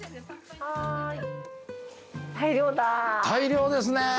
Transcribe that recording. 大量ですね！